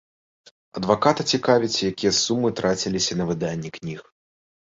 Адваката цікавіць, якія сумы траціліся на выданне кніг.